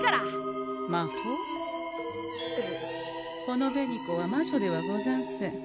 この紅子は魔女ではござんせん。